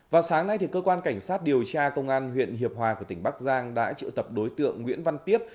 vào sáng nay cơ quan cảnh sát điều tra công an huyện hiệp hòa của tỉnh bắc giang đã triệu tập đối tượng nguyễn văn tiếp